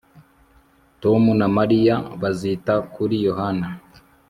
Tom na Mariya bazita kuri Yohana